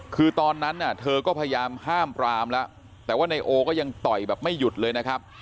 คือตอนนั้นเธอก็พยายามห้ามปรามแล้วแต่ว่านายโอก็ยังต่อยแบบไม่หยุดเลยนะครับ